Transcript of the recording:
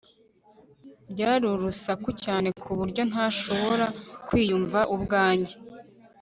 byari urusaku cyane ku buryo ntashobora kwiyumva ubwanjye